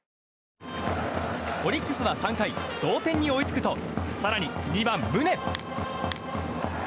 オリックスは３回同点に追いつくと更に２番、宗。